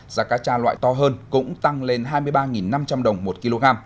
giá cá cha loại to hơn cũng tăng lên hai mươi ba năm trăm linh đồng một kg